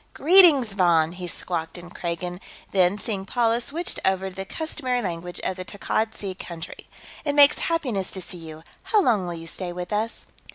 "Greetings, Von!" he squawked in Kragan, then, seeing Paula, switched over to the customary language of the Takkad Sea country. "It makes happiness to see you. How long will you stay with us?"